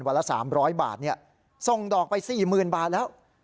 วันละ๓๐๐บาทเนี่ยส่งดอกไป๔๐๐๐๐บาทแล้ว